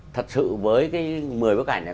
thật sự với một mươi bức ảnh này